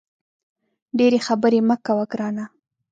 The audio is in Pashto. ډېري خبري مه کوه ګرانه !